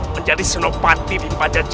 menjadi xenopati di pajajar